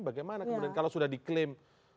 bagaimana kemudian kalau sudah diklaim